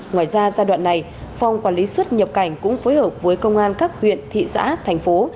ngoài ra giai đoạn này phòng quản lý xuất nhập cảnh cũng phối hợp với công an các huyện thị xã thành phố